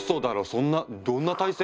そんなどんな体勢？